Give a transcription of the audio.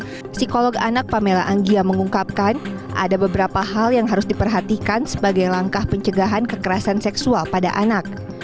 psikolog anak pamela anggia mengungkapkan ada beberapa hal yang harus diperhatikan sebagai langkah pencegahan kekerasan seksual pada anak